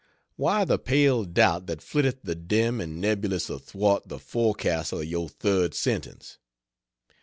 Why the pale doubt that flitteth dim and nebulous athwart the forecastle of your third sentence?